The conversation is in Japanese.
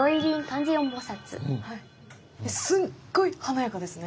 すっごい華やかですね。